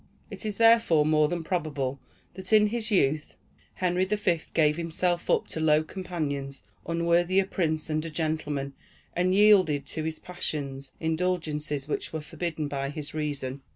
It is therefore more than probable that, in his youth, Henry the Fifth gave himself up to low companions, unworthy a prince and a gentleman, and yielded to his passions indulgences which were forbidden by his reason.